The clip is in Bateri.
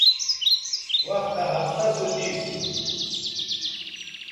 وختہ ہفتہ سو دیس تھو